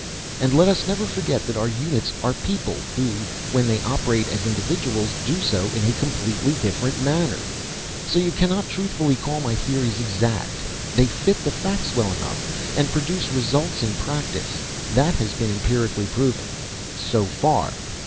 And let us never forget that our units are people who, when they operate as individuals, do so in a completely different manner. So you cannot truthfully call my theories exact. They fit the facts well enough and produce results in practice, that has been empirically proven. So far.